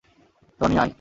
Tony, আয়।